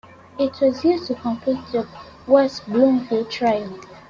It was used to complete the West Bloomfield Trail.